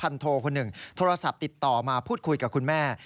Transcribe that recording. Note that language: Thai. โทคนหนึ่งโทรศัพท์ติดต่อมาพูดคุยกับคุณแม่